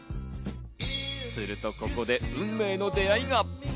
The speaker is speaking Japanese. するとここで運命の出会いが。